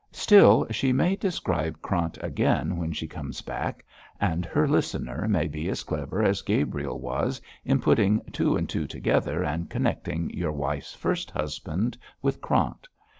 Still, she may describe Krant again when she comes back, and her listener may be as clever as Gabriel was in putting two and two together, and connecting your wife's first husband with Krant.